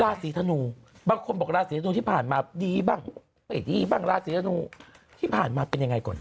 ราศีธนูบางคนบอกราศีธนูที่ผ่านมาดีบ้างไม่ดีบ้างราศีธนูที่ผ่านมาเป็นยังไงก่อน